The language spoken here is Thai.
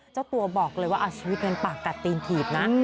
เจ้าตัวบอกเลยว่าชีวิตเป็นปากกัดตีนถีบนะ